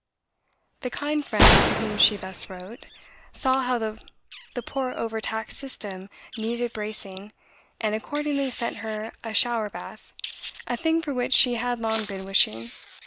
The kind friend, to whom she thus wrote, saw how the poor over taxed system needed bracing, and accordingly sent her a shower bath a thing for which she had long been wishing.